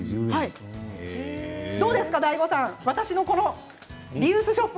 どうですかＤＡＩＧＯさんリユースショップ